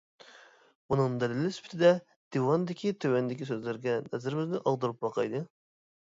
بۇنىڭ دەلىلى سۈپىتىدە «دىۋان» دىكى تۆۋەندىكى سۆزلەرگە نەزىرىمىزنى ئاغدۇرۇپ باقايلى.